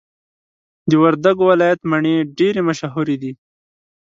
د وردګو ولایت مڼي ډیري مشهور دي.